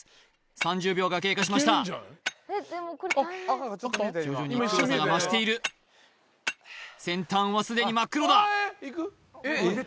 ３０秒が経過しました徐々に黒さが増している先端はすでに真っ黒だ！